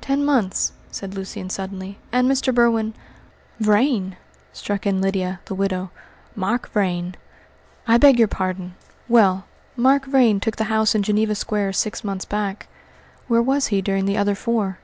"Ten months," said Lucian suddenly, "and Mr. Berwin " "Vrain!" struck in Lydia, the widow, "Mark Vrain." "I beg your pardon! Well, Mark Vrain took the house in Geneva Square six months back. Where was he during the other four?"